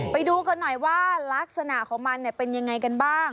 ไปดูกันหน่อยว่ารักษณะของมันเป็นยังไงกันบ้าง